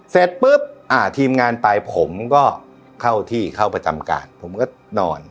เสร็จปุ๊บอ่าทีมงานไปผมก็เข้าที่เข้าประจำการผมก็นอน